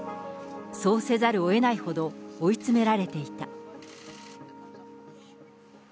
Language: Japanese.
そうせざるをえないほど、追いつめられていた。